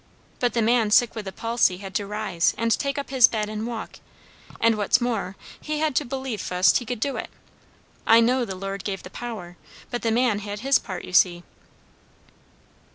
But the man sick with the palsy had to rise and take up his bed and walk; and what's more, he had to believe fust he could do it. I know the Lord gave the power, but the man had his part, you see."